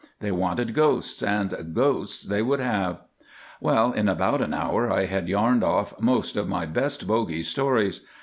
They wanted ghosts, and ghosts they would have. Well, in about an hour I had yarned off most of my best bogey stories.